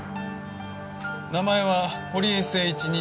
名前は堀江誠一２６歳。